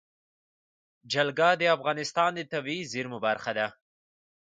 جلګه د افغانستان د طبیعي زیرمو برخه ده.